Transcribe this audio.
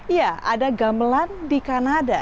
ya ada gamelan di kanada